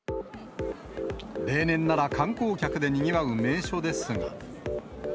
例年なら観光客でにぎわう名所ですが。